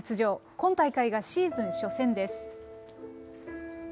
今大会がシーズン初戦です。